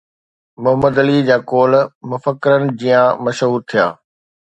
محمد عليءَ جا قول مفڪرن جيان مشهور ٿيا